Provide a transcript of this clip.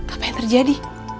apa yang terjadi